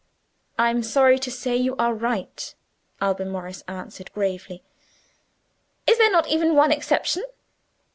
"I am sorry to say you are right," Alban Morris answered gravely. "Is there not even one exception?"